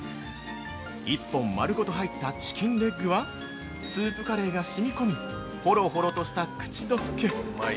１本丸ごと入ったチキンレッグはスープカレーがしみ込みほろほろとした口どけ。